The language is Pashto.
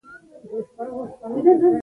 بمثال ريګ بيابان و برګ درختان موی دلبران.